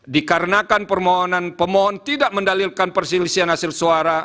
dikarenakan permohonan pemohon tidak mendalilkan perselisihan hasil suara